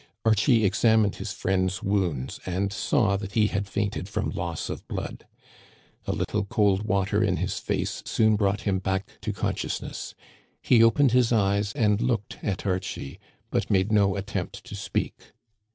Archie examined his friend's wounds, and saw that he had fainted from loss of blood. A little cold water in his face soon brought him back to consciousness. He opened his eyes and looked at Archie, but made no attempt to speak.